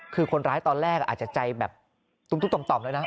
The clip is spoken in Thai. คือคนร้ายตอนแรกอาจจะใจแบบตุ้มต่อมแล้วนะ